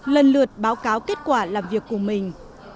lần lượt báo cáo kết quả làm việc của mình